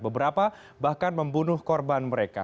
beberapa bahkan membunuh korban mereka